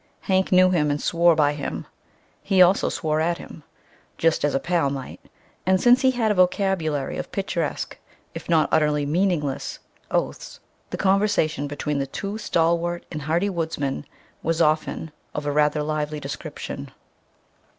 Hank knew him and swore by him. He also swore at him, "jest as a pal might," and since he had a vocabulary of picturesque, if utterly meaningless, oaths, the conversation between the two stalwart and hardy woodsmen was often of a rather lively description.